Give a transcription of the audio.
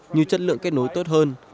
nhiều chất lượng kết nối tốt hơn